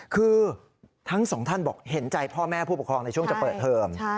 คือทั้งสองท่านบอกเห็นใจพ่อแม่ผู้ปกครองในช่วงจะเปิดเทอม